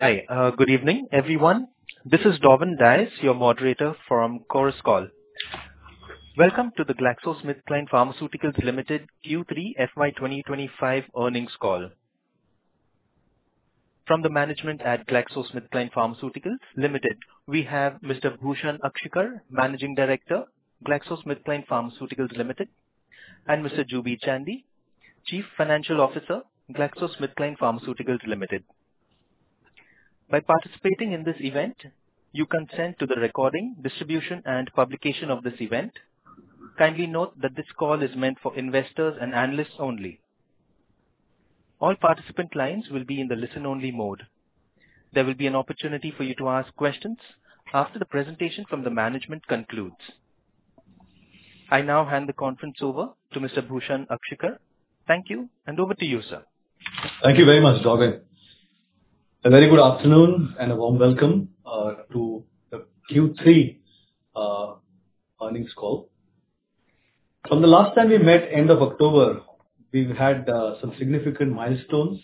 Hi, good evening, everyone. This is Darwin Dias, your moderator from Chorus Call. Welcome to the GlaxoSmithKline Pharmaceuticals Limited Q3 FY 2025 earnings call. From the management at GlaxoSmithKline Pharmaceuticals Limited, we have Mr. Bhushan Akshikar, Managing Director, GlaxoSmithKline Pharmaceuticals Limited, and Mr. Juby Chandy, Chief Financial Officer, GlaxoSmithKline Pharmaceuticals Limited. By participating in this event, you consent to the recording, distribution, and publication of this event. Kindly note that this call is meant for investors and analysts only. All participant lines will be in the listen-only mode. There will be an opportunity for you to ask questions after the presentation from the management concludes. I now hand the conference over to Mr. Bhushan Akshikar. Thank you, and over to you, sir. Thank you very much, Darwin. A very good afternoon and a warm welcome to the Q3 earnings call. From the last time we met, end of October, we've had some significant milestones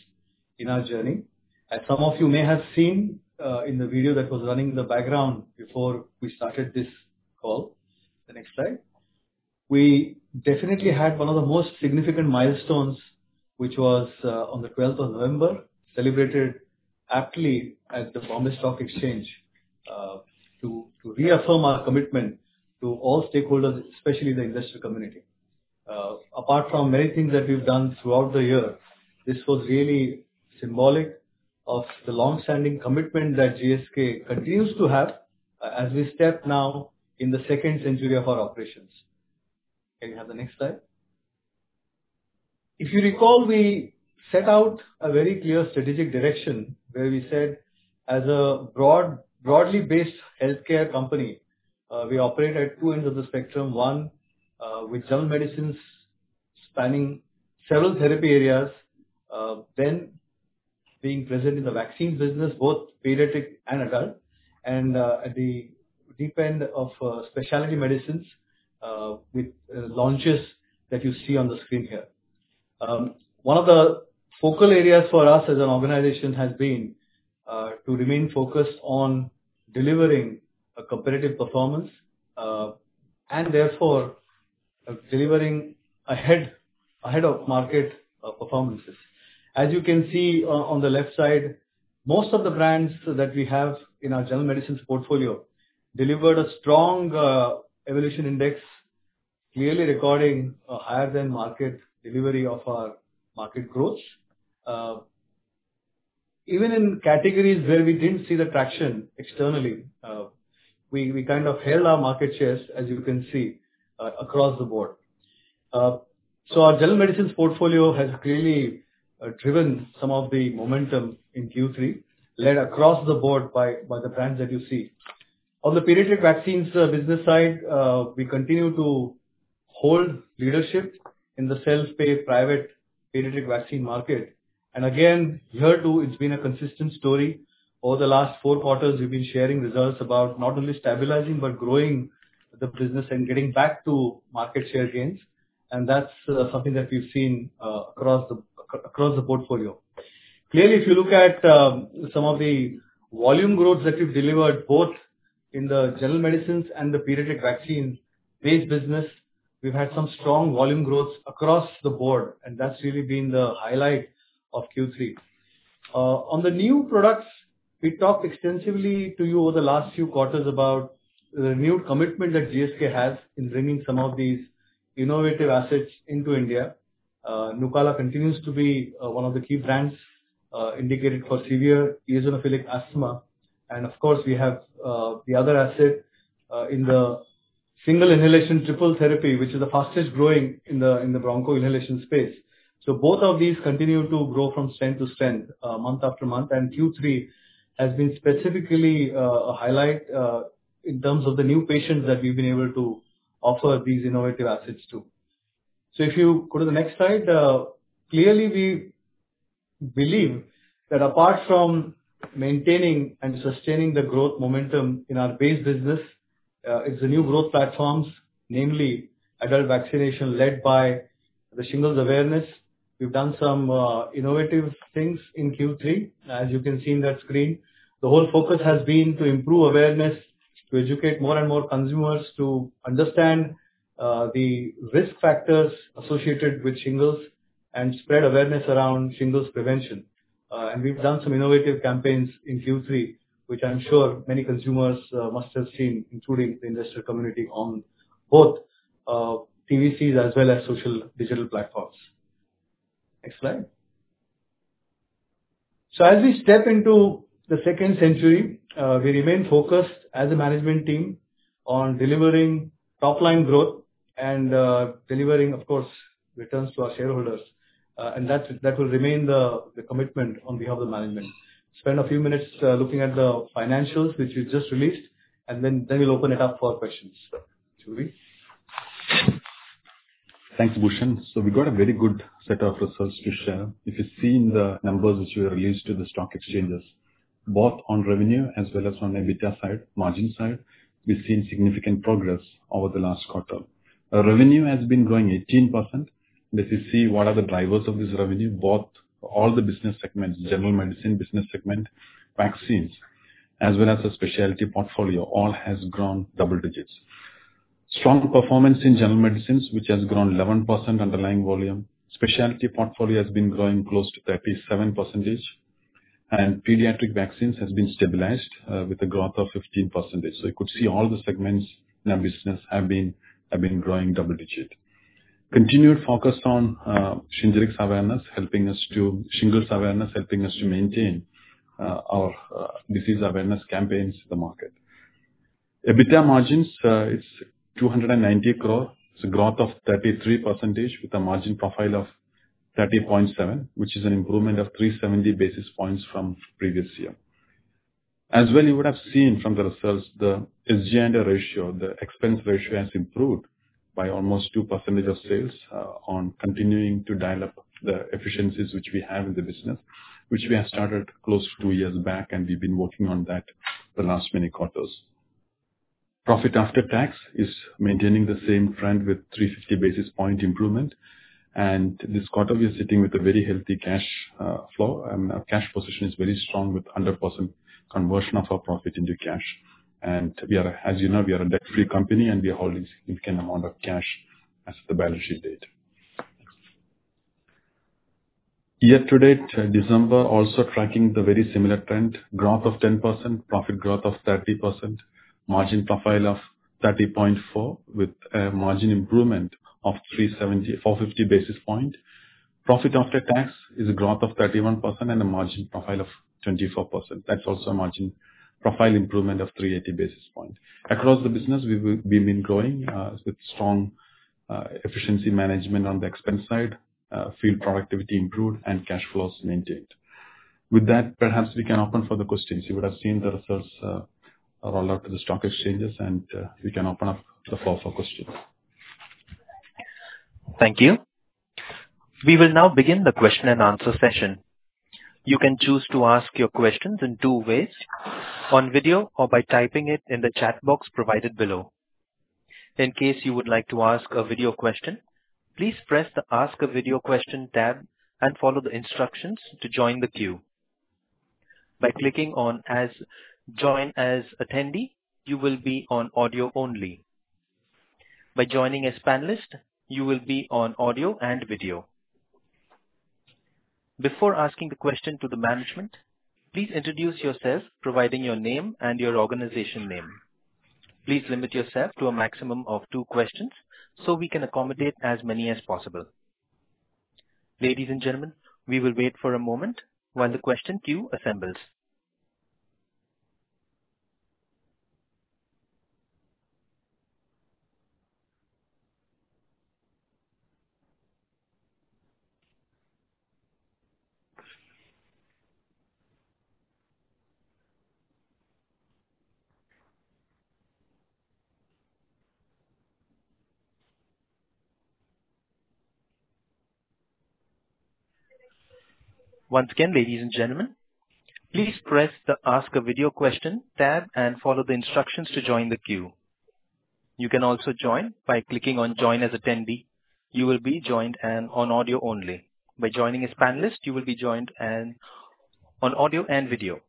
in our journey. As some of you may have seen in the video that was running in the background before we started this call, the next slide, we definitely had one of the most significant milestones, which was on the 12th of November, celebrated aptly at the Bombay Stock Exchange to reaffirm our commitment to all stakeholders, especially the investor community. Apart from many things that we've done throughout the year, this was really symbolic of the longstanding commitment that GSK continues to have as we step now in the second century of our operations. Can you have the next slide? If you recall, we set out a very clear strategic direction where we said, as a broad, broadly based healthcare company, we operate at two ends of the spectrum: one, with general medicines spanning several therapy areas, then being present in the vaccine business, both pediatric and adult, and, at the deep end of, specialty medicines, with, launches that you see on the screen here. One of the focal areas for us as an organization has been, to remain focused on delivering a competitive performance, and therefore delivering ahead, ahead of market, performances. As you can see, on the left side, most of the brands that we have in our general medicines portfolio delivered a strong, evolution index, clearly recording a higher-than-market delivery of our market growths. Even in categories where we didn't see the traction externally, we kind of held our market shares, as you can see, across the board. So our general medicines portfolio has clearly driven some of the momentum in Q3, led across the board by the brands that you see. On the pediatric vaccines business side, we continue to hold leadership in the self-pay private pediatric vaccine market. And again, here too, it's been a consistent story over the last four quarters. We've been sharing results about not only stabilizing but growing the business and getting back to market share gains. And that's something that we've seen across the portfolio. Clearly, if you look at some of the volume growth that we've delivered both in the general medicines and the pediatric vaccine-based business, we've had some strong volume growth across the board, and that's really been the highlight of Q3. On the new products, we talked extensively to you over the last few quarters about the renewed commitment that GSK has in bringing some of these innovative assets into India. Nucala continues to be one of the key brands indicated for severe eosinophilic asthma, and of course, we have the other asset in the single inhalation triple therapy, which is the fastest growing in the Broncho inhalation space, so both of these continue to grow from strength to strength, month after month, and Q3 has been specifically a highlight in terms of the new patients that we've been able to offer these innovative assets to. If you go to the next slide, clearly we believe that apart from maintaining and sustaining the growth momentum in our base business, it's the new growth platforms, namely adult vaccination led by the shingles awareness. We've done some innovative things in Q3, as you can see in that screen. The whole focus has been to improve awareness, to educate more and more consumers, to understand the risk factors associated with shingles, and spread awareness around shingles prevention. And we've done some innovative campaigns in Q3, which I'm sure many consumers must have seen, including the investor community, on both TVs as well as social digital platforms. Next slide. As we step into the second century, we remain focused as a management team on delivering top-line growth and delivering, of course, returns to our shareholders. And that, that will remain the, the commitment on behalf of the management. Spend a few minutes looking at the financials, which we've just released, and then we'll open it up for questions. Juby? Thanks, Bhushan. So we got a very good set of results to share. If you see in the numbers which we released to the stock exchanges, both on revenue as well as on EBITDA side, margin side, we've seen significant progress over the last quarter. Revenue has been growing 18%. And if you see what are the drivers of this revenue, both all the business segments, general medicine business segment, vaccines, as well as the specialty portfolio, all has grown double digits. Strong performance in general medicines, which has grown 11% underlying volume. Specialty portfolio has been growing close to 37%. And pediatric vaccines has been stabilized, with a growth of 15%. So you could see all the segments in our business have been growing double digit. Continued focus on shingles awareness, helping us to shingles awareness, helping us to maintain our disease awareness campaigns in the market. EBITDA margins, it's 290 crore. It's a growth of 33% with a margin profile of 30.7, which is an improvement of 370 basis points from previous year. As well, you would have seen from the results, the SG&A ratio, the expense ratio has improved by almost 2% of sales, on continuing to dial up the efficiencies which we have in the business, which we have started close to two years back, and we've been working on that the last many quarters. Profit after tax is maintaining the same trend with 350 basis points improvement. And this quarter, we are sitting with a very healthy cash flow. Our cash position is very strong with 100% conversion of our profit into cash. And we are, as you know, we are a debt-free company, and we are holding a significant amount of cash as of the balance sheet date. Year to date, December also tracking the very similar trend, growth of 10%, profit growth of 30%, margin profile of 30.4% with a margin improvement of 370-450 basis points. Profit After Tax is a growth of 31% and a margin profile of 24%. That's also a margin profile improvement of 380 basis points. Across the business, we've been growing, with strong efficiency management on the expense side, field productivity improved, and cash flows maintained. With that, perhaps we can open for the questions. You would have seen the results rollout to the stock exchanges, and we can open up the floor for questions. Thank you. We will now begin the question and answer session. You can choose to ask your questions in two ways: on video or by typing it in the chat box provided below. In case you would like to ask a video question, please press the Ask a Video Question tab and follow the instructions to join the queue. By clicking on Join as Attendee, you will be on audio only. By joining as panelist, you will be on audio and video. Before asking the question to the management, please introduce yourself, providing your name and your organization name. Please limit yourself to a maximum of two questions so we can accommodate as many as possible. Ladies and gentlemen, we will wait for a moment while the question queue assembles. Once again, ladies and gentlemen, please press the Ask a Video Question tab and follow the instructions to join the queue. You can also join by clicking on Join as Attendee. You will be joined and on audio only. By joining as panelist, you will be joined and on audio and video.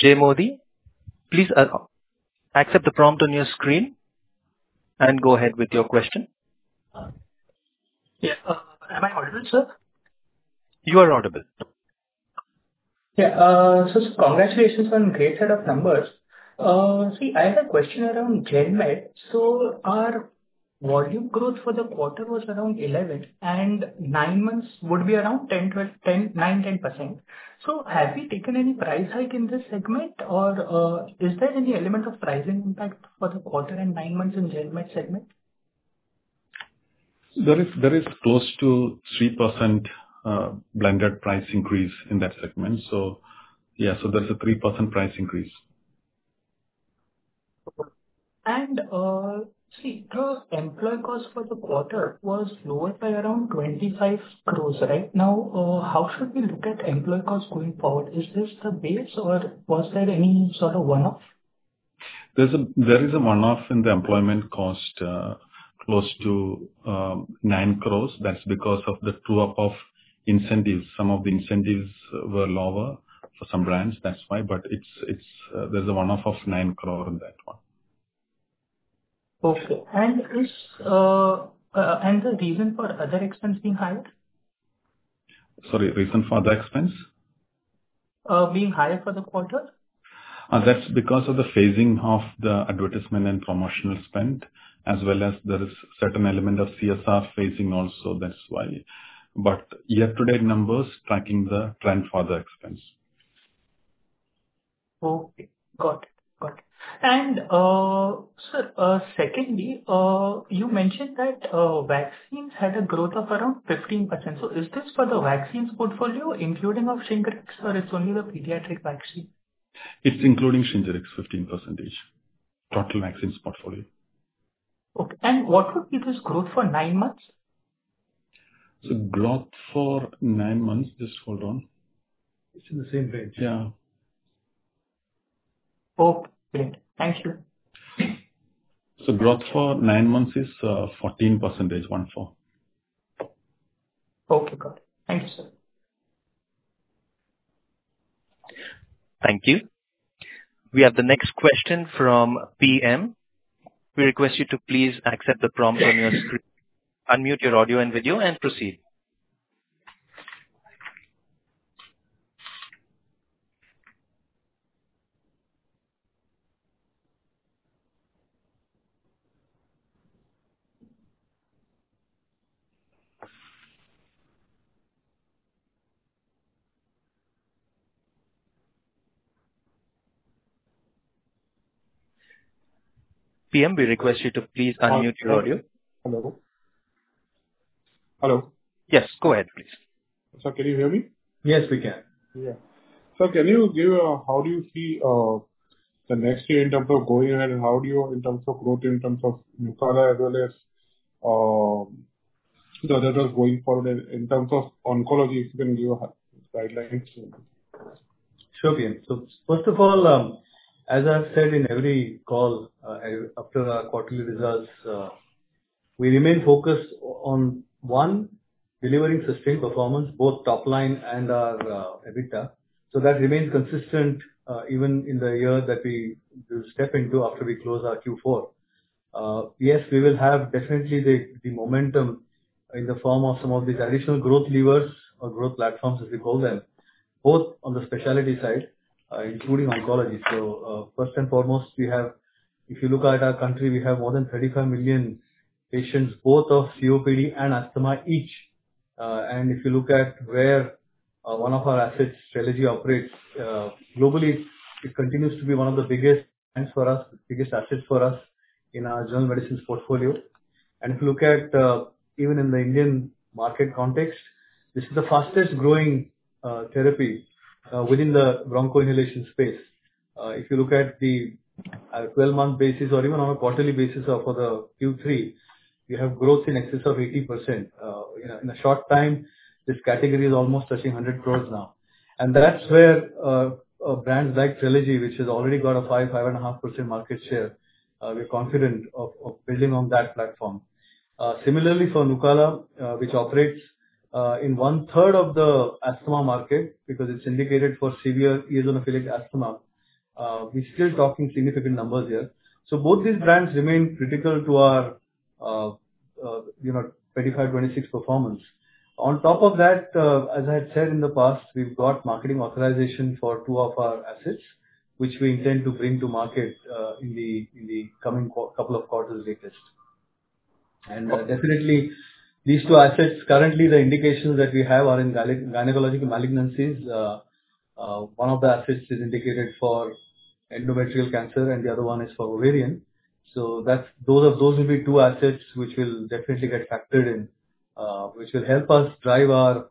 Mr. Jay Modi, please, accept the prompt on your screen and go ahead with your question. Yeah. Am I audible, sir? You are audible. Yeah. So congratulations on a great set of numbers. See, I had a question around GenMed. So our volume growth for the quarter was around 11%, and nine months would be around 10, 12, 10, 9, 10%. So have we taken any price hike in this segment, or is there any element of pricing impact for the quarter and nine months in GenMed segment? There is close to 3% blended price increase in that segment. So yeah, so there's a 3% price increase. See, the employee cost for the quarter was lower by around 25 crore, right? Now, how should we look at employee cost going forward? Is this the base, or was there any sort of one-off? There is a one-off in the employment cost, close to nine crores. That's because of the true-up of incentives. Some of the incentives were lower for some brands. That's why. But there is a one-off of nine crores in that one. Okay. The reason for other expense being higher? Sorry, reason for other expense? being higher for the quarter? That's because of the phasing of the advertisement and promotional spend, as well as there is a certain element of CSR phasing also. That's why. But year-to-date, numbers tracking the trend for the expense. Okay. Got it. And, sir, secondly, you mentioned that vaccines had a growth of around 15%. So is this for the vaccines portfolio, including of Shingrix, or it's only the pediatric vaccine? It's including Shingrix, 15% total vaccines portfolio. Okay, and what would be this growth for nine months? So, growth for nine months. Just hold on. It's in the same range. Yeah. Okay. Thank you. Growth for nine months is 14%, 1.4. Okay. Got it. Thank you, sir. Thank you. We have the next question from PM. We request you to please accept the prompt on your screen, unmute your audio and video, and proceed. PM, we request you to please unmute your audio. Hello. Hello. Yes. Go ahead, please. Sir, can you hear me? Yes, we can. Yeah. Sir, can you give how you see the next year in terms of going ahead? How do you in terms of growth, in terms of Nucala as well as the others going forward, in terms of oncology, if you can give guidelines? Sure, PM. So first of all, as I've said in every call, after our quarterly results, we remain focused on, one, delivering sustained performance, both top-line and our EBITDA. So that remains consistent, even in the year that we will step into after we close our Q4. Yes, we will have definitely the momentum in the form of some of these additional growth levers or growth platforms, as we call them, both on the specialty side, including oncology. So, first and foremost, we have, if you look at our country, we have more than 35 million patients, both of COPD and asthma each. And if you look at where, one of our assets strategy operates, globally, it continues to be one of the biggest brands for us, biggest assets for us in our general medicine portfolio. And if you look at even in the Indian market context, this is the fastest growing therapy within the Broncho Inhalation space. If you look at the 12-month basis or even on a quarterly basis for the Q3, we have growth in excess of 80%. In a short time, this category is almost touching 100 crores now. And that's where brands like Trelegy, which has already got a 5-5.5% market share, we're confident of building on that platform. Similarly for Nucala, which operates in one-third of the asthma market because it's indicated for severe eosinophilic asthma. We're still talking significant numbers here. So both these brands remain critical to our, you know, 2025, 2026 performance. On top of that, as I had said in the past, we've got marketing authorization for two of our assets, which we intend to bring to market in the coming couple of quarters latest. And, definitely, these two assets currently, the indications that we have are in gynecological malignancies. One of the assets is indicated for endometrial cancer, and the other one is for ovarian. So that's those will be two assets which will definitely get factored in, which will help us drive our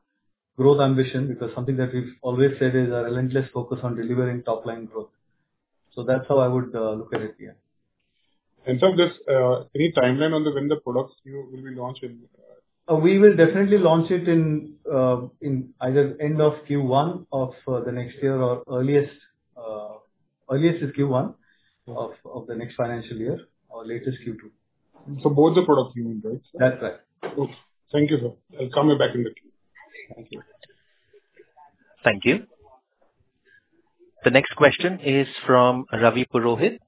growth ambition because something that we've always said is a relentless focus on delivering top-line growth. So that's how I would look at it, yeah. Sir, just any timeline on when the products you will be launching? We will definitely launch it in either end of Q1 of the next year or earliest is Q1 of the next financial year or latest Q2. So both the products you mean, right? That's right. Okay. Thank you, sir. I'll come back in the queue. Thank you. Thank you. The next question is from Ravi Purohit.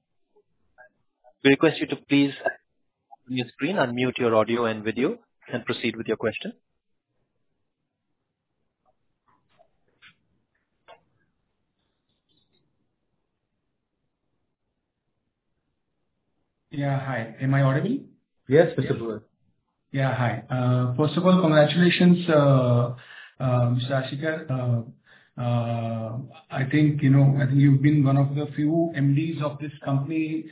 We request you to please, on your screen, unmute your audio and video and proceed with your question. Yeah. Hi. Am I audible? Yes, Mr. Purohit. Yeah. Hi. First of all, congratulations, Mr. Akshikar. I think, you know, I think you've been one of the few MDs of this company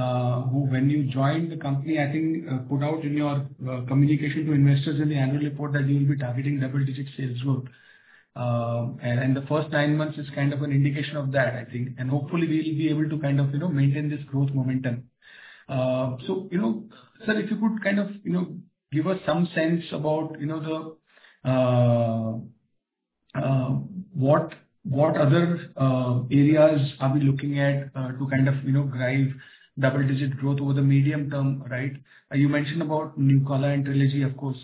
who, when you joined the company, I think, put out in your communication to investors in the annual report that you will be targeting double-digit sales growth, and the first nine months is kind of an indication of that, I think. And hopefully, we'll be able to kind of, you know, maintain this growth momentum. So, you know, sir, if you could kind of, you know, give us some sense about, you know, the what other areas are we looking at to kind of, you know, drive double-digit growth over the medium term, right? You mentioned about Nucala and Trelegy, of course.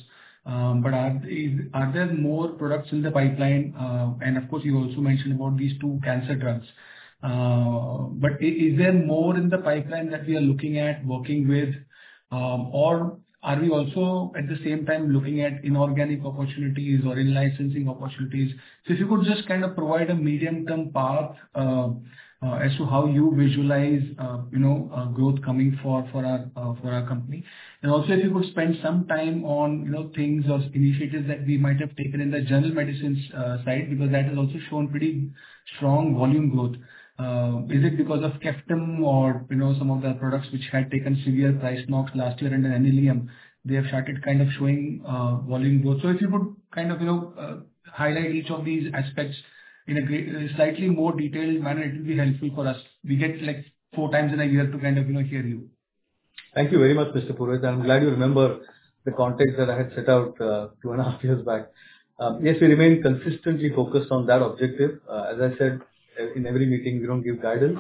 But are there more products in the pipeline? And of course, you also mentioned about these two cancer drugs. But is there more in the pipeline that we are looking at, working with, or are we also at the same time looking at inorganic opportunities or in-licensing opportunities? So if you could just kind of provide a medium-term path as to how you visualize, you know, growth coming for our company. And also, if you could spend some time on, you know, things or initiatives that we might have taken in the general medicines side because that has also shown pretty strong volume growth. Is it because of Ceftum or, you know, some of the products which had taken severe price knocks last year and then NLEM, they have started kind of showing volume growth. So if you could kind of, you know, highlight each of these aspects in greater, slightly more detailed manner, it will be helpful for us. We get, like, four times in a year to kind of, you know, hear you. Thank you very much, Mr. Purohit. I'm glad you remember the context that I had set out, two and a half years back. Yes, we remain consistently focused on that objective. As I said, in every meeting, we don't give guidance.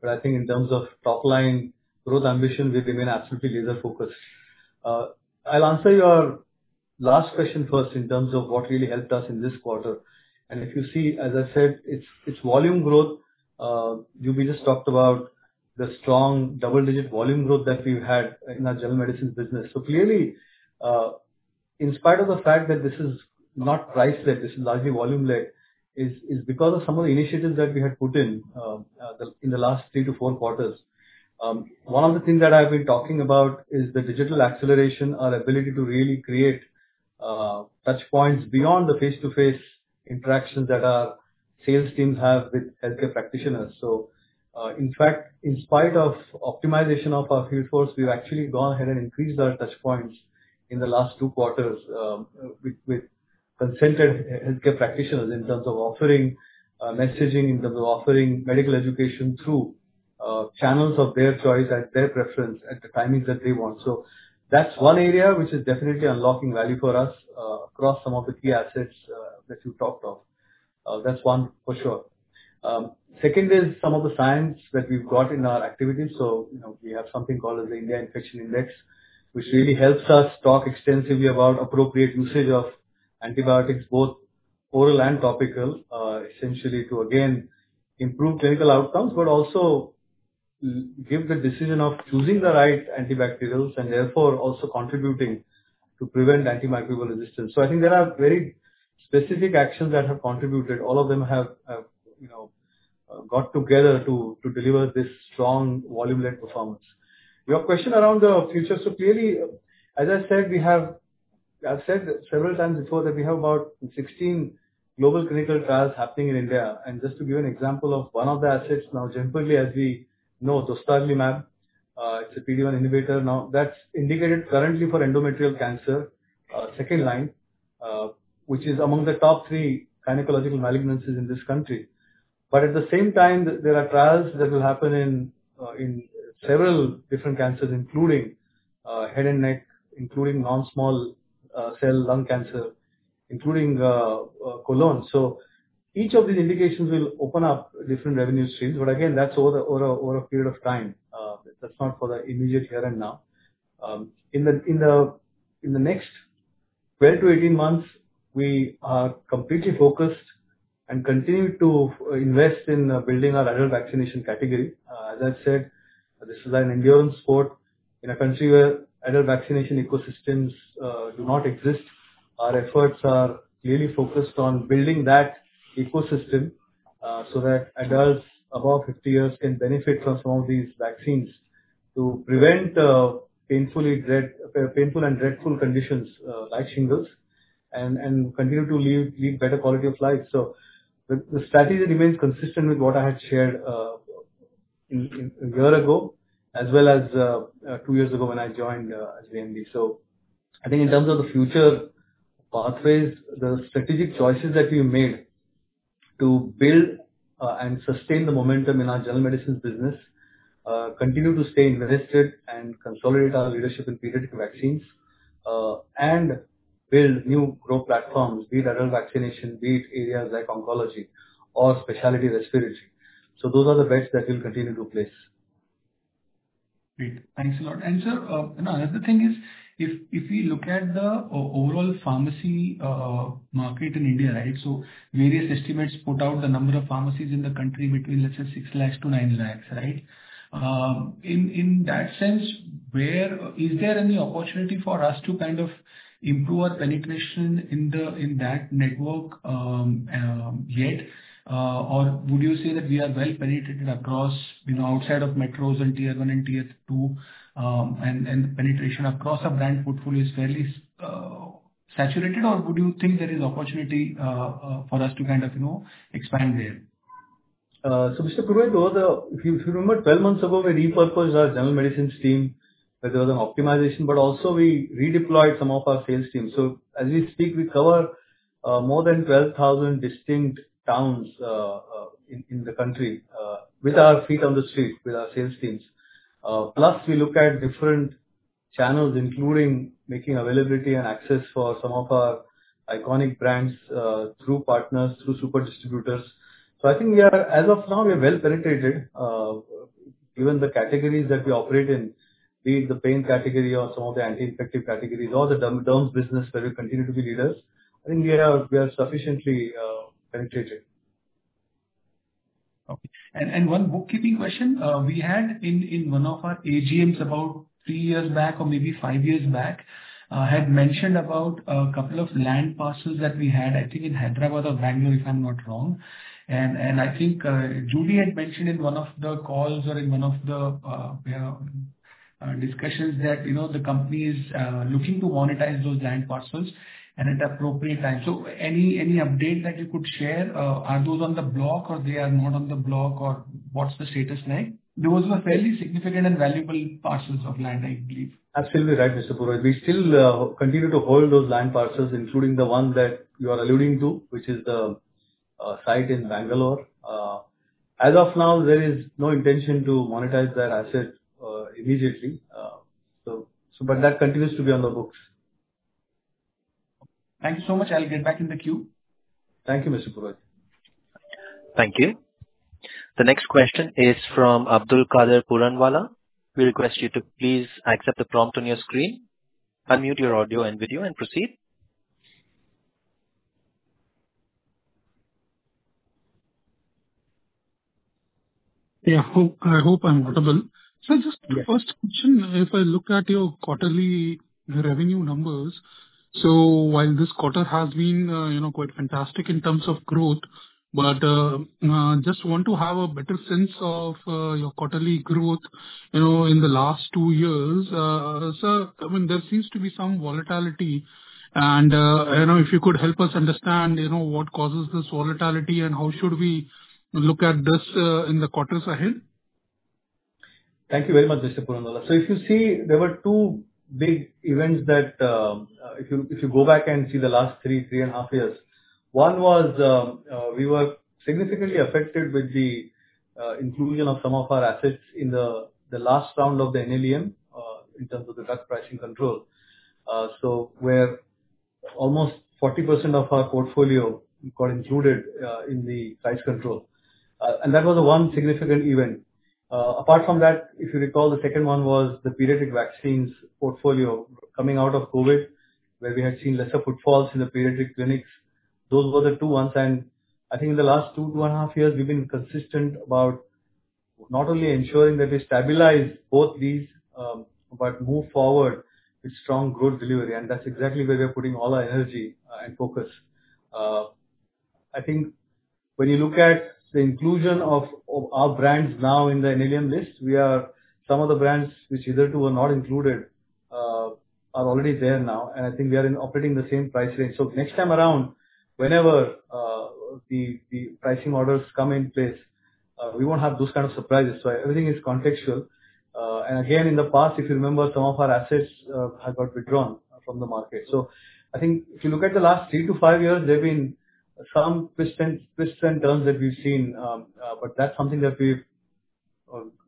But I think in terms of top-line growth ambition, we remain absolutely laser-focused. I'll answer your last question first in terms of what really helped us in this quarter, and if you see, as I said, it's volume growth. You just talked about the strong double-digit volume growth that we've had in our general medicine business, so clearly, in spite of the fact that this is not price-led, this is largely volume-led, is because of some of the initiatives that we had put in, in the last three to four quarters. One of the things that I've been talking about is the digital acceleration, our ability to really create touchpoints beyond the face-to-face interactions that our sales teams have with healthcare practitioners. So, in fact, in spite of optimization of our field force, we've actually gone ahead and increased our touchpoints in the last two quarters with consented healthcare practitioners in terms of offering messaging, in terms of offering medical education through channels of their choice at their preference at the timings that they want. So that's one area which is definitely unlocking value for us across some of the key assets that you talked of. That's one for sure. Second is some of the science that we've got in our activities. So, you know, we have something called the India Infection Index, which really helps us talk extensively about appropriate usage of antibiotics, both oral and topical, essentially to, again, improve clinical outcomes, but also give the decision of choosing the right antibacterials and therefore also contributing to prevent antimicrobial resistance, so I think there are very specific actions that have contributed. All of them have, you know, got together to deliver this strong volume-led performance. Your question around the future, so clearly, as I said, we have, I've said several times before that we have about 16 global clinical trials happening in India, and just to give an example of one of the assets, now Jemperli, as we know, dostarlimab, it's a PD-1 inhibitor. Now, that's indicated currently for endometrial cancer, second line, which is among the top three gynecological malignancies in this country. But at the same time, there are trials that will happen in several different cancers, including head and neck, including non-small cell lung cancer, including colon. So each of these indications will open up different revenue streams. But again, that's over a period of time. That's not for the immediate here and now. In the next 12 to 18 months, we are completely focused and continue to invest in building our adult vaccination category. As I said, this is an endurance sport in a country where adult vaccination ecosystems do not exist. Our efforts are clearly focused on building that ecosystem, so that adults above 50 years can benefit from some of these vaccines to prevent painful and dreadful conditions, like Shingles, and continue to lead better quality of life. So the strategy remains consistent with what I had shared in a year ago, as well as two years ago when I joined as the MD. So I think in terms of the future pathways, the strategic choices that we made to build and sustain the momentum in our general medicine business continue to stay invested and consolidate our leadership in pediatric vaccines, and build new growth platforms, be it adult vaccination, be it areas like oncology or specialty respiratory. So those are the bets that we'll continue to place. Great. Thanks a lot. And sir, you know, another thing is if we look at the overall pharmacy market in India, right, so various estimates put out the number of pharmacies in the country between, let's say, 6 lakhs to 9 lakhs, right? In that sense, where is there any opportunity for us to kind of improve our penetration in that network, yet? Or would you say that we are well penetrated across, you know, outside of metros and tier one and tier two, and penetration across our brand portfolio is fairly saturated? Or would you think there is opportunity for us to kind of, you know, expand there? So Mr. Purohit, there was a, if you, if you remember, 12 months ago, we repurposed our General Medicine team, where there was an optimization, but also we redeployed some of our sales teams. So as we speak, we cover more than 12,000 distinct towns in the country with our feet on the street with our sales teams. Plus we look at different channels, including making availability and access for some of our iconic brands through partners through super distributors. So I think we are, as of now, we're well penetrated, given the categories that we operate in, be it the pain category or some of the anti-infective categories or the derm business, where we continue to be leaders. I think we are, we are sufficiently penetrated. Okay. And one bookkeeping question, we had in one of our AGMs about three years back or maybe five years back, had mentioned about a couple of land parcels that we had, I think, in Hyderabad or Bangalore, if I'm not wrong. And I think, Juby had mentioned in one of the calls or in one of the discussions that, you know, the company is looking to monetize those land parcels and at appropriate time. So any update that you could share, are those on the block or they are not on the block or what's the status like? Those were fairly significant and valuable parcels of land, I believe. That's absolutely right, Mr. Purohit. We still continue to hold those land parcels, including the one that you are alluding to, which is the site in Bangalore. As of now, there is no intention to monetize that asset immediately, but that continues to be on the books. Thank you so much. I'll get back in the queue. Thank you, Mr. Purohit. Thank you. The next question is from Abdul Qader Puranwala. We request you to please accept the prompt on your screen, unmute your audio and video, and proceed. Yeah. I hope I'm audible. So just the first question, if I look at your quarterly revenue numbers, so while this quarter has been, you know, quite fantastic in terms of growth, but just want to have a better sense of your quarterly growth, you know, in the last two years. Sir, I mean, there seems to be some volatility. And you know, if you could help us understand you know, what causes this volatility and how should we look at this in the quarters ahead? Thank you very much, Mr. Purohit. So if you see, there were two big events that, if you go back and see the last three and a half years, one was we were significantly affected with the inclusion of some of our assets in the last round of the NLEM in terms of the drug pricing control, so where almost 40% of our portfolio got included in the price control, and that was the one significant event. Apart from that, if you recall, the second one was the pediatric vaccines portfolio coming out of COVID, where we had seen lesser footfalls in the pediatric clinics. Those were the two ones, and I think in the last two and a half years, we've been consistent about not only ensuring that we stabilize both these, but move forward with strong growth delivery. And that's exactly where we're putting all our energy and focus. I think when you look at the inclusion of our brands now in the NLEM list, we are some of the brands which either, too, were not included, are already there now. And I think we are operating the same price range. So next time around, whenever the pricing orders come in place, we won't have those kind of surprises. So everything is contextual, and again, in the past, if you remember, some of our assets have got withdrawn from the market. So I think if you look at the last three to five years, there've been some twists and turns that we've seen, but that's something that we've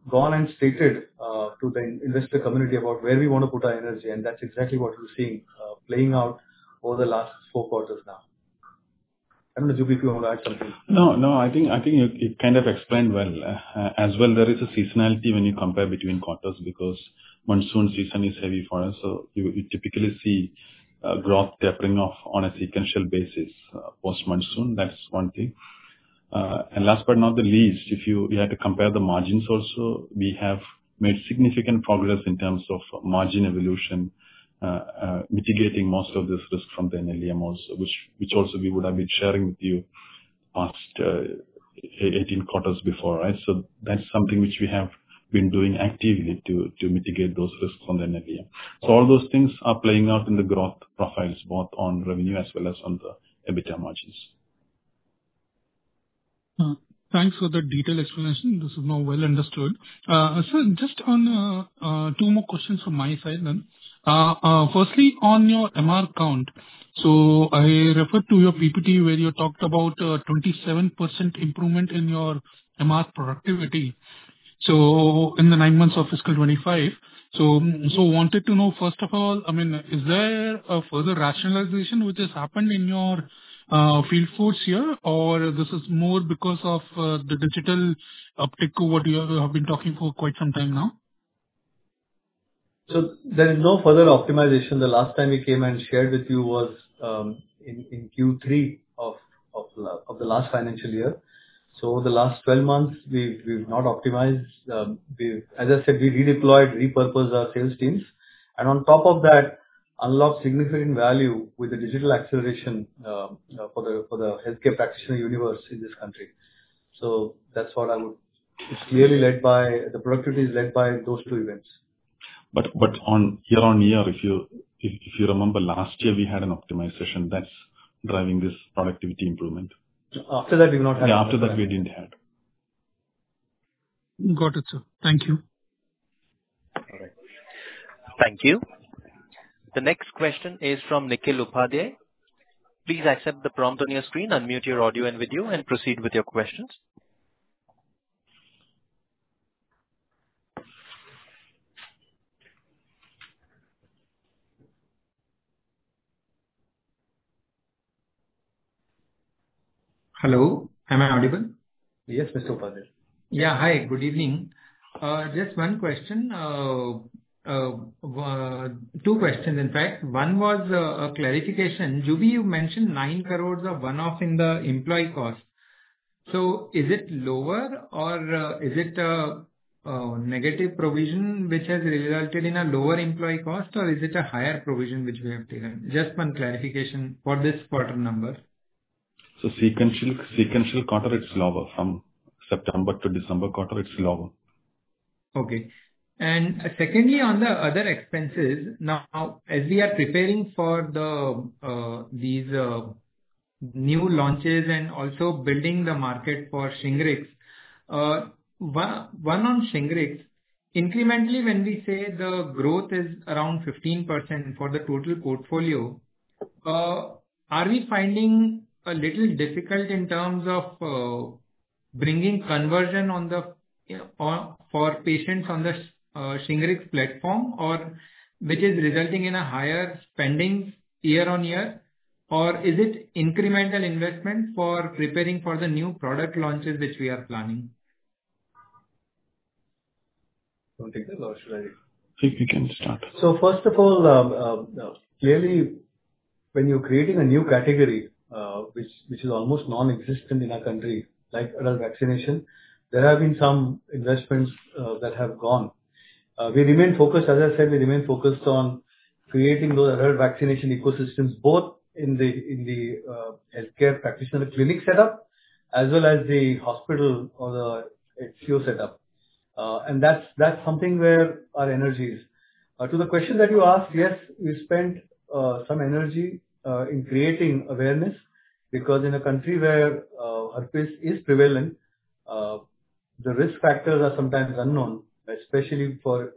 gone and stated to the investor community about where we want to put our energy. And that's exactly what we're seeing, playing out over the last four quarters now. I don't know, Juby, if you want to add something. No, no. I think you kind of explained well. As well, there is a seasonality when you compare between quarters because monsoon season is heavy for us. So you typically see growth tapering off on a sequential basis, post-monsoon. That's one thing, and last but not the least, if you, we had to compare the margins also, we have made significant progress in terms of margin evolution, mitigating most of this risk from the NLEM also, which also we would have been sharing with you past 18 quarters before, right? So that's something which we have been doing actively to mitigate those risks on the NLEM. So all those things are playing out in the growth profiles, both on revenue as well as on the EBITDA margins. Thanks for the detailed explanation. This is now well understood. Sir, just on two more questions from my side then. Firstly, on your MR count. So I referred to your PPT where you talked about a 27% improvement in your MR productivity. So in the nine months of fiscal 2025. So wanted to know, first of all, I mean, is there a further rationalization which has happened in your field force here, or this is more because of the digital uptick of what you have been talking for quite some time now? So there is no further optimization. The last time we came and shared with you was in Q3 of the last financial year. So the last 12 months, we've not optimized. As I said, we redeployed, repurposed our sales teams. And on top of that, unlocked significant value with the digital acceleration for the healthcare practitioner universe in this country. So that's what I would. It's clearly led by the productivity, led by those two events. But on year-on-year, if you remember, last year we had an optimization that's driving this productivity improvement. After that, we've not had. Yeah, after that, we didn't have. Got it, sir. Thank you. All right. Thank you. The next question is from Nikhil Upadhyay. Please accept the prompt on your screen, unmute your audio and video, and proceed with your questions. Hello. Am I audible? Yes, Mr. Upadhyay. Yeah. Hi. Good evening. Just one question, two questions, in fact. One was, a clarification. Juby, you mentioned 9 crores of one-off in the employee cost. So is it lower or, is it a, negative provision which has resulted in a lower employee cost, or is it a higher provision which we have taken? Just one clarification for this quarter number. Sequential quarter, it's lower from September to December quarter. It's lower. Okay. And secondly, on the other expenses, now, as we are preparing for these new launches and also building the market for Shingrix, one, one on Shingrix, incrementally, when we say the growth is around 15% for the total portfolio, are we finding a little difficult in terms of bringing conversion on the for patients on the Shingrix platform, or which is resulting in a higher spending year on year? Or is it incremental investment for preparing for the new product launches which we are planning? Okay. I think we can start, so first of all, clearly, when you're creating a new category, which is almost non-existent in our country, like adult vaccination, there have been some investments that have gone. We remain focused, as I said, we remain focused on creating those adult vaccination ecosystems, both in the healthcare practitioner clinic setup as well as the hospital or the HCO setup, and that's something where our energy is. To the question that you asked, yes, we spent some energy in creating awareness because in a country where herpes is prevalent, the risk factors are sometimes unknown, especially for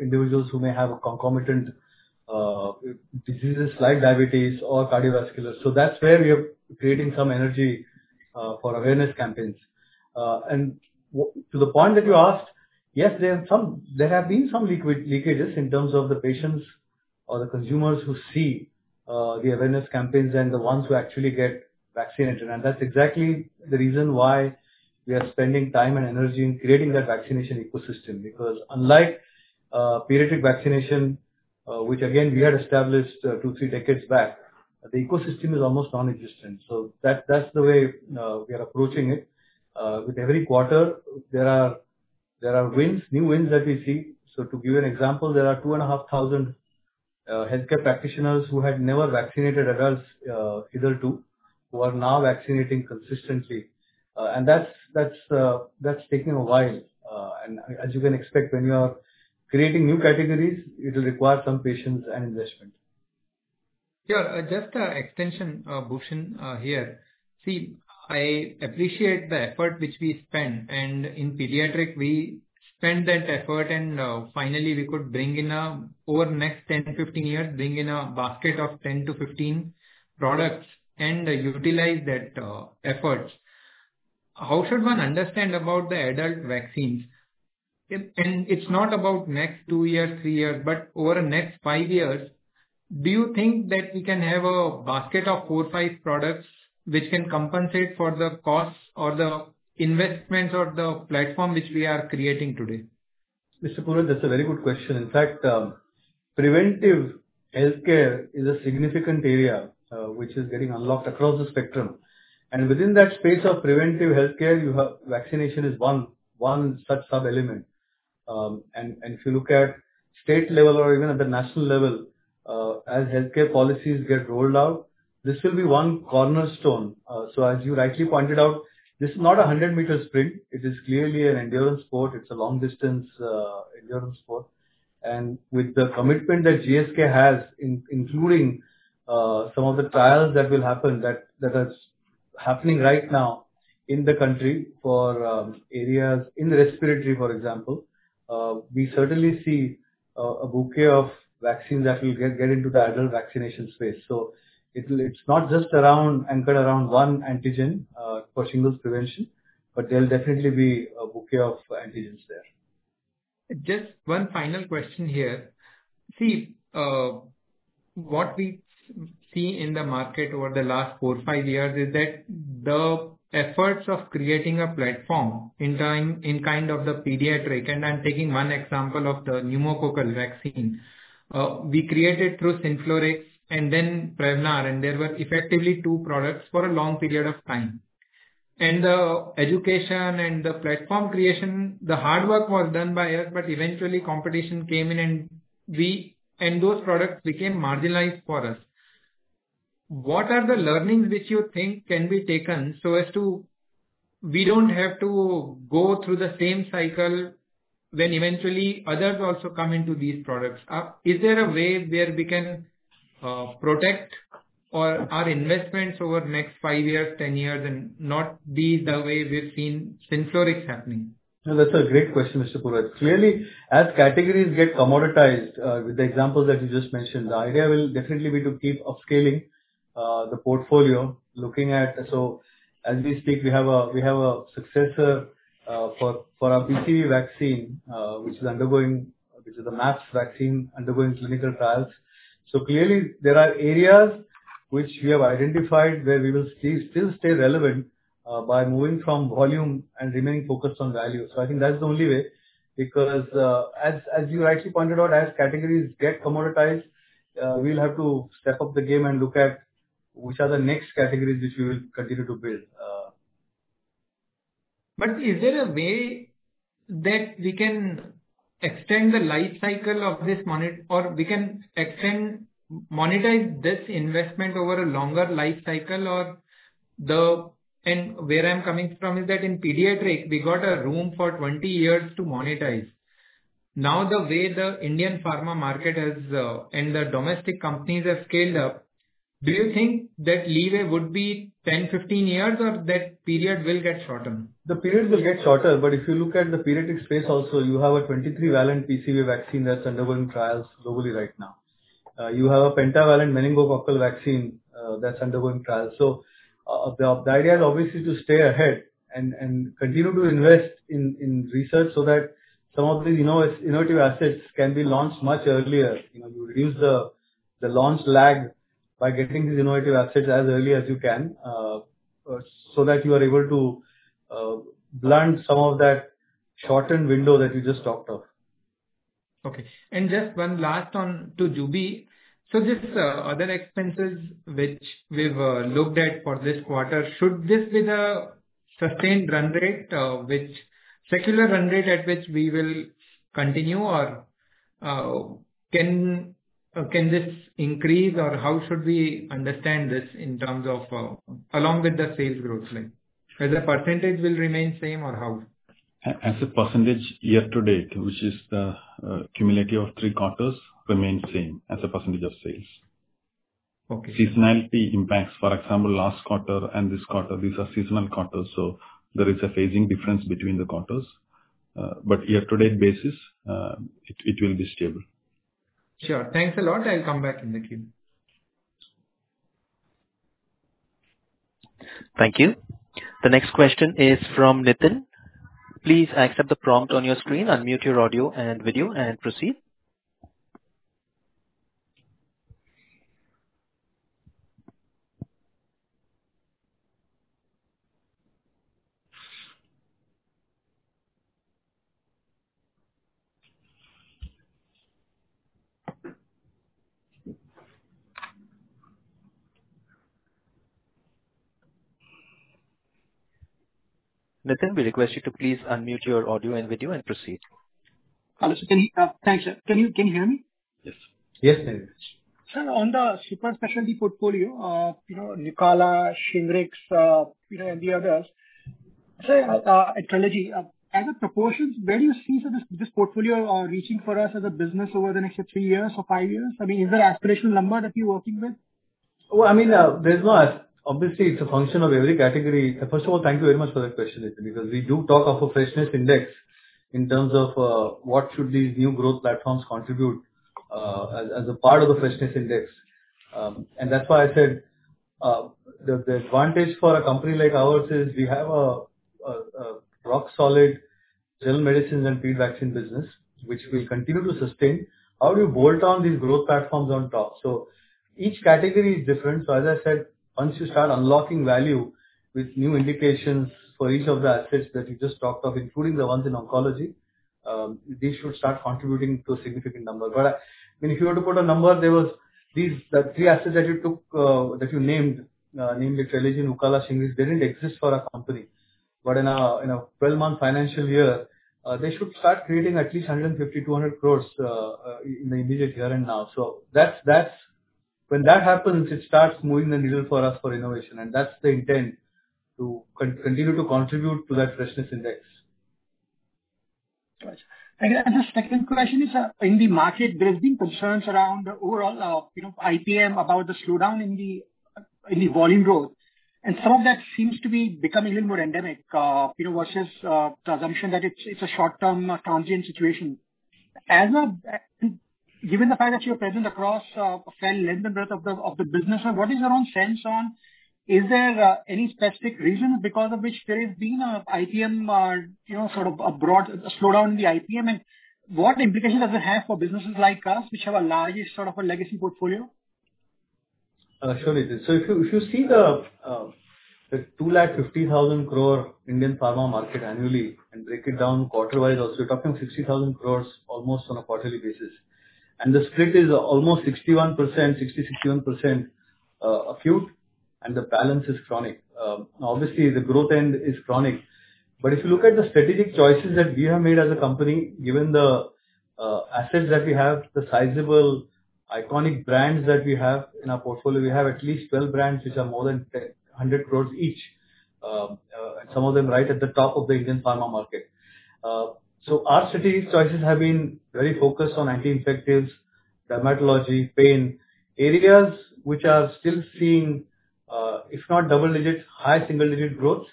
individuals who may have concomitant diseases like diabetes or cardiovascular, so that's where we are creating some energy for awareness campaigns. And to the point that you asked, yes, there have been some leakages in terms of the patients or the consumers who see the awareness campaigns and the ones who actually get vaccinated. That's exactly the reason why we are spending time and energy in creating that vaccination ecosystem because unlike pediatric vaccination, which again we had established two, three decades back, the ecosystem is almost non-existent. That's the way we are approaching it. With every quarter, there are new wins that we see. So to give you an example, there are two and a half thousand healthcare practitioners who had never vaccinated adults either too who are now vaccinating consistently. And that's taking a while. And as you can expect, when you are creating new categories, it'll require some patience and investment. Yeah. Just an extension, Bhushan here. See, I appreciate the effort which we spend. And in pediatric, we spend that effort, and finally, we could bring in, over the next 10 to 15 years, a basket of 10 to 15 products and utilize that efforts. How should one understand about the adult vaccines? And it's not about next two years, three years, but over the next five years, do you think that we can have a basket of four, five products which can compensate for the costs or the investments or the platform which we are creating today? Mr. Upadhyay, that's a very good question. In fact, preventive healthcare is a significant area, which is getting unlocked across the spectrum. And within that space of preventive healthcare, you have vaccination is one such sub-element. And if you look at state level or even at the national level, as healthcare policies get rolled out, this will be one cornerstone, so as you rightly pointed out, this is not a 100-meter sprint. It is clearly an endurance sport. It's a long-distance, endurance sport. And with the commitment that GSK has, including some of the trials that will happen, that are happening right now in the country for areas in respiratory, for example, we certainly see a bouquet of vaccines that will get into the adult vaccination space. So, it'll. It's not just anchored around one antigen for Shingles prevention, but there'll definitely be a bouquet of antigens there. Just one final question here. See, what we see in the market over the last four, five years is that the efforts of creating a platform in time, in kind of the pediatric, and I'm taking one example of the Pneumococcal vaccine, we created through Synflorix and then Prevenar. And there were effectively two products for a long period of time. And the education and the platform creation, the hard work was done by us, but eventually competition came in and we, and those products became marginalized for us. What are the learnings which you think can be taken so as to, we don't have to go through the same cycle when eventually others also come into these products? Is there a way where we can, protect or our investments over next five years, 10 years, and not be the way we've seen Synflorix happening? No, that's a great question, Mr. Upadhyay. Clearly, as categories get commoditized, with the examples that you just mentioned, the idea will definitely be to keep upscaling the portfolio, looking at, so as we speak, we have a successor for our PCV vaccine, which is the MAPS vaccine undergoing clinical trials. So clearly, there are areas which we have identified where we will still stay relevant, by moving from volume and remaining focused on value. So I think that's the only way because as you rightly pointed out, as categories get commoditized, we'll have to step up the game and look at which are the next categories which we will continue to build. But is there a way that we can extend the lifecycle of this monopoly, or we can extend, monetize this investment over a longer lifecycle, and where I'm coming from is that in pediatric, we got a runway for 20 years to monetize. Now the way the Indian pharma market has, and the domestic companies have scaled up, do you think that leeway would be 10, 15 years, or that period will get shorter? The period will get shorter, but if you look at the pediatric space also, you have a 23-valent PCV vaccine that's undergoing trials globally right now. You have a pentavalent meningococcal vaccine that's undergoing trials, so the idea is obviously to stay ahead and continue to invest in research so that some of these, you know, innovative assets can be launched much earlier. You know, you reduce the launch lag by getting these innovative assets as early as you can, so that you are able to blunt some of that shortened window that you just talked of. Okay. And just one last one to Juby. So this, other expenses which we've looked at for this quarter, should this be the sustained run rate, which secular run rate at which we will continue, or can this increase, or how should we understand this in terms of, along with the sales growth? Like, as a percentage, will remain same, or how? As a percentage year to date, which is the cumulative of three quarters, remains same as a percentage of sales. Okay. Seasonality impacts, for example, last quarter and this quarter, these are seasonal quarters. So there is a phasing difference between the quarters, but year-to-date basis, it will be stable. Sure. Thanks a lot. I'll come back in the queue. Thank you. The next question is from Nitin. Please accept the prompt on your screen, unmute your audio and video, and proceed. Nithin, we request you to please unmute your audio and video and proceed. Hello? So can you, thanks. Can you hear me? Yes. Yes, Nitin. Sir, on the super specialty portfolio, you know, Nucala, Shingrix, you know, and the others, sir, Trelegy, as a proportion, where do you see this, this portfolio, reaching for us as a business over the next three years or five years? I mean, is there an aspirational number that you're working with? I mean, there's not. Obviously, it's a function of every category. First of all, thank you very much for that question, Nitin, because we do talk of a freshness index in terms of what should these new growth platforms contribute, as, as a part of the freshness index, and that's why I said the, the advantage for a company like ours is we have a, a, a rock-solid general medicines and pediatric vaccine business, which we'll continue to sustain. How do you bolt on these growth platforms on top? So each category is different. So as I said, once you start unlocking value with new indications for each of the assets that you just talked of, including the ones in oncology, these should start contributing to a significant number. I mean, if you were to put a number, there were these, the three assets that you took, that you named, namely Trelegy, Nucala, Shingrix. They didn't exist for a company. But in a 12-month financial year, they should start creating at least 150-200 crore in the immediate here and now. So that's when that happens. It starts moving the needle for us for innovation. That's the intent to continue to contribute to that freshness index. Gotcha. And then the second question is, in the market, there have been concerns around overall, you know, IPM about the slowdown in the, in the volume growth. And some of that seems to be becoming a little more endemic, you know, versus the assumption that it's a short-term, transient situation. Given the fact that you're present across a fair length and breadth of the business, what is your own sense on, is there any specific reason because of which there has been an IPM, you know, sort of a broad slowdown in the IPM? And what implications does it have for businesses like us, which have a large sort of a legacy portfolio? Sure, Nitin. So if you see the 250,000 crore Indian pharma market annually and break it down quarterwise, also you're talking 60,000 crores almost on a quarterly basis. And the split is almost 61%, 60, 61%, acute, and the balance is chronic. Now, obviously, the growth end is chronic. But if you look at the strategic choices that we have made as a company, given the assets that we have, the sizable iconic brands that we have in our portfolio, we have at least 12 brands which are more than 100 crores each, and some of them right at the top of the Indian pharma market. So our strategic choices have been very focused on anti-infectives, dermatology, pain areas, which are still seeing, if not double-digit, high single-digit growth.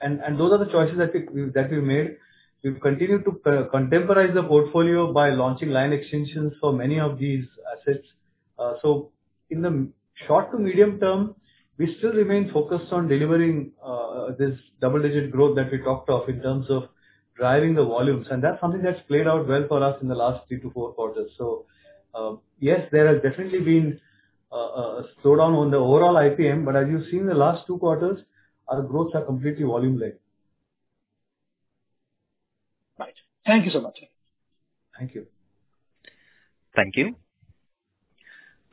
And those are the choices that we made. We've continued to contemporize the portfolio by launching line extensions for many of these assets. So in the short to medium term, we still remain focused on delivering this double-digit growth that we talked of in terms of driving the volumes. And that's something that's played out well for us in the last three to four quarters. So, yes, there has definitely been a slowdown on the overall IPM. But as you've seen the last two quarters, our growths are completely volume-led. Right. Thank you so much. Thank you. Thank you.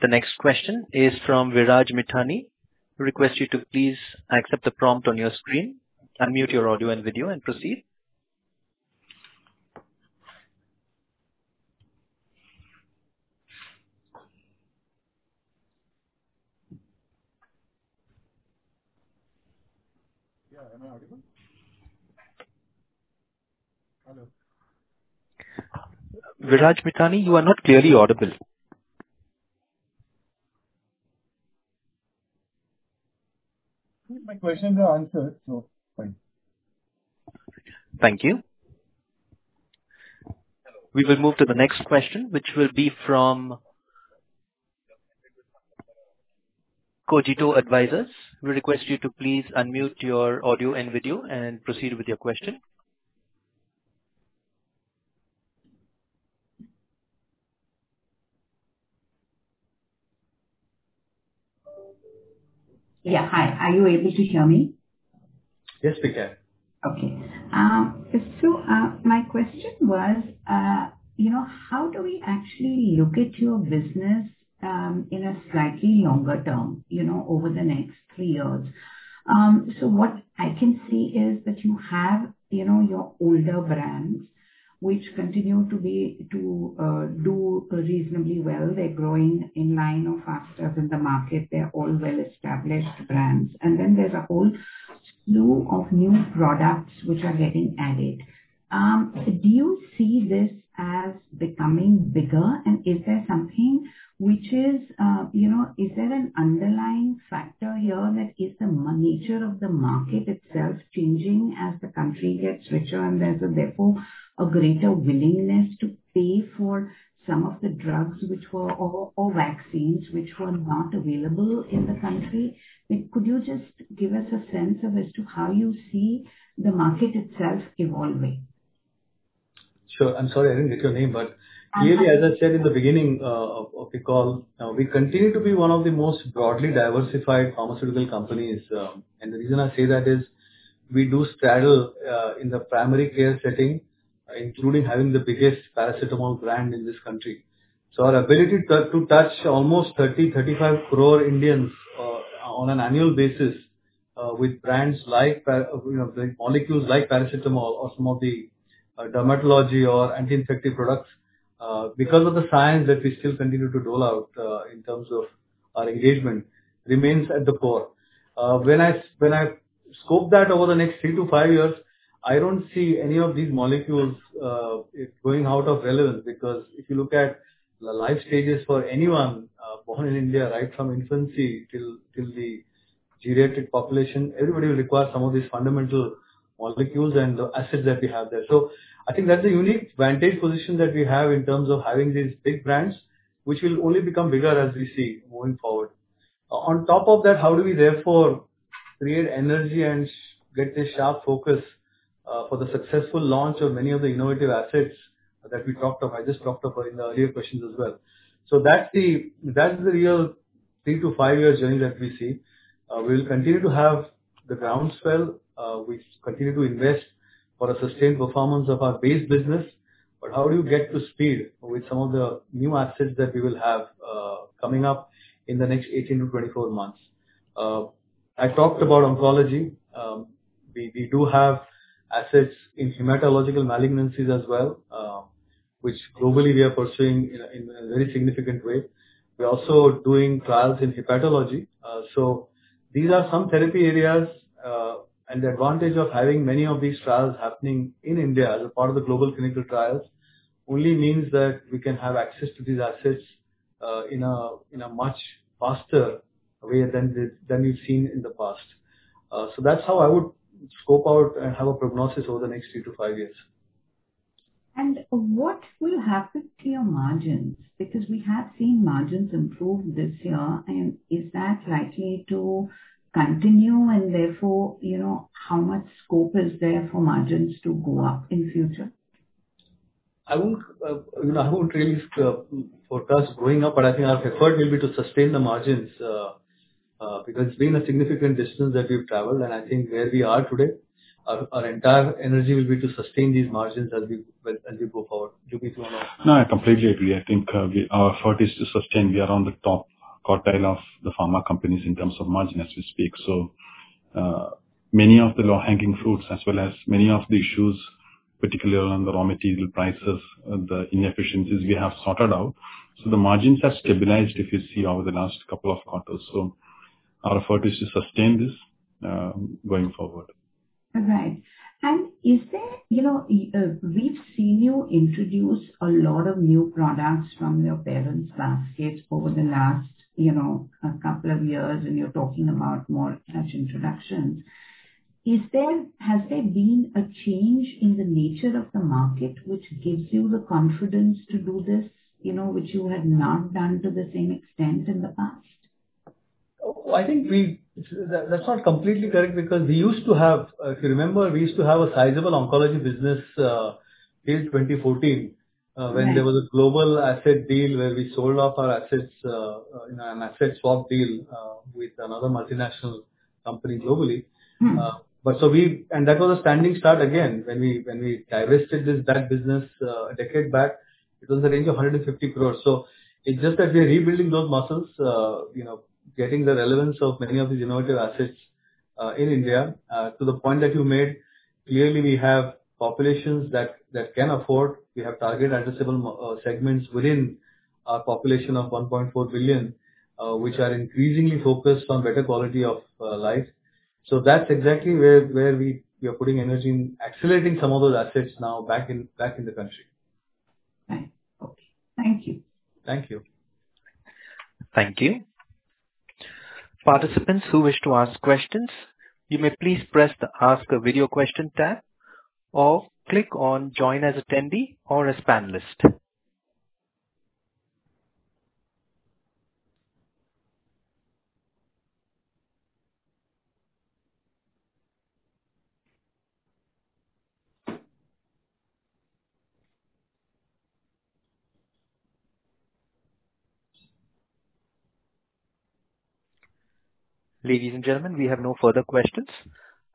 The next question is from Viraj Mithani. We request you to please accept the prompt on your screen, unmute your audio and video, and proceed. Yeah. Am I audible? Hello. Viraj Mithani, you are not clearly audible. My question's answered, so fine. Thank you. We will move to the next question, which will be from Cogito Advisors. We request you to please unmute your audio and video and proceed with your question. Yeah. Hi. Are you able to hear me? Yes, we can. Okay. So, my question was, you know, how do we actually look at your business, in a slightly longer term, you know, over the next three years? So what I can see is that you have, you know, your older brands, which continue to be to do reasonably well. They're growing in line or faster than the market. They're all well-established brands. And then there's a whole slew of new products which are getting added. Do you see this as becoming bigger? And is there something which is, you know, is there an underlying factor here that is the nature of the market itself changing as the country gets richer and there's therefore a greater willingness to pay for some of the drugs which were, or vaccines which were not available in the country? I mean, could you just give us a sense of as to how you see the market itself evolving? Sure. I'm sorry I didn't get your name, but clearly, as I said in the beginning of the call, we continue to be one of the most broadly diversified pharmaceutical companies, and the reason I say that is we do straddle, in the primary care setting, including having the biggest paracetamol brand in this country. So our ability to touch almost 30-35 crore Indians, on an annual basis, with brands like, you know, like molecules like paracetamol or some of the, dermatology or anti-infective products, because of the science that we still continue to dole out, in terms of our engagement, remains at the core. When I scope that over the next three to five years, I don't see any of these molecules going out of relevance because if you look at the life stages for anyone born in India right from infancy till the geriatric population, everybody will require some of these fundamental molecules and the assets that we have there. So I think that's a unique vantage position that we have in terms of having these big brands, which will only become bigger as we see moving forward. On top of that, how do we therefore create energy and get this sharp focus for the successful launch of many of the innovative assets that we talked of? I just talked of in the earlier questions as well. So that's the real three to five-year journey that we see. We'll continue to have the groundswell. We continue to invest for a sustained performance of our base business. But how do you get to speed with some of the new assets that we will have, coming up in the next 18 to 24 months? I talked about oncology. We do have assets in hematological malignancies as well, which globally we are pursuing in a very significant way. We're also doing trials in hepatology. So these are some therapy areas. And the advantage of having many of these trials happening in India as a part of the global clinical trials only means that we can have access to these assets, in a much faster way than we've seen in the past. So that's how I would scope out and have a prognosis over the next three to five years. And what will happen to your margins? Because we have seen margins improve this year. And is that likely to continue? And therefore, you know, how much scope is there for margins to go up in the future? I won't, you know, I won't really forecast growing up, but I think our effort will be to sustain the margins, because it's been a significant distance that we've traveled, and I think where we are today, our entire energy will be to sustain these margins as we go forward. Juby, do you want to? No, I completely agree. I think, our effort is to sustain. We are on the top quartile of the pharma companies in terms of margin as we speak. So, many of the low-hanging fruits, as well as many of the issues, particularly around the raw material prices, the inefficiencies we have sorted out. So the margins have stabilized, if you see, over the last couple of quarters. So our effort is to sustain this, going forward. All right. And is there, you know, we've seen you introduce a lot of new products from your parent's baskets over the last, you know, a couple of years, and you're talking about more such introductions. Is there, has there been a change in the nature of the market which gives you the confidence to do this, you know, which you had not done to the same extent in the past? Oh, I think that's not completely correct because we used to have, if you remember, we used to have a sizable oncology business till 2014, when there was a global asset deal where we sold off our assets, you know, an asset swap deal with another multinational company globally. Mm-hmm. But so we, and that was a standing start again when we divested this bad business, a decade back. It was in the range of 150 crore. So it's just that we're rebuilding those muscles, you know, getting the relevance of many of these innovative assets in India to the point that you made. Clearly, we have populations that can afford. We have target addressable segments within our population of 1.4 billion, which are increasingly focused on better quality of life. So that's exactly where we are putting energy in, accelerating some of those assets now back in the country. Right. Okay. Thank you. Thank you. Thank you. Participants who wish to ask questions, you may please press the Ask a Video Question tab or click on Join as Attendee or as Panelist. Ladies and gentlemen, we have no further questions.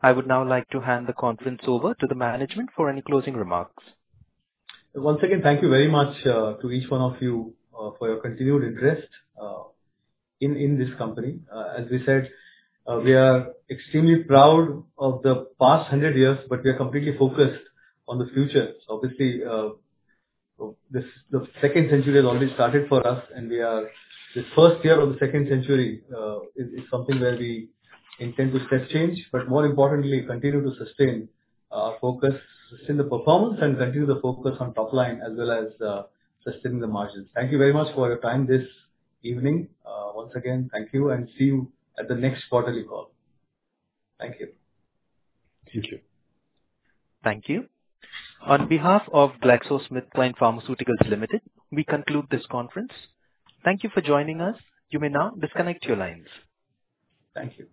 I would now like to hand the conference over to the management for any closing remarks. Once again, thank you very much to each one of you for your continued interest in this company. As we said, we are extremely proud of the past 100 years, but we are completely focused on the future. So obviously, this the second century has already started for us, and we are the first year of the second century is something where we intend to step change, but more importantly, continue to sustain our focus, sustain the performance, and continue the focus on top line as well as sustaining the margins. Thank you very much for your time this evening. Once again, thank you, and see you at the next quarterly call. Thank you. Thank you. Thank you. On behalf of GlaxoSmithKline Pharmaceuticals Limited, we conclude this conference. Thank you for joining us. You may now disconnect your lines. Thank you.